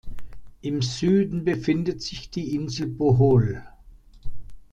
Im Süden befindet sich die Insel Bohol.